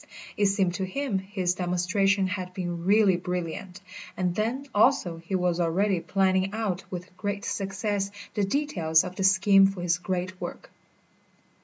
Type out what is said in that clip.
It seemed to him his demonstration had been really brilliant, and then, also, he was already planning out with great success the details of the scheme for his great work.